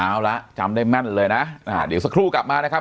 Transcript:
เอาละจำได้แม่นเลยนะเดี๋ยวสักครู่กลับมานะครับ